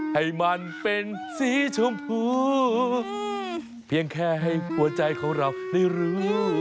ให้มันเป็นสีชมพูเพียงแค่ให้หัวใจของเราได้รู้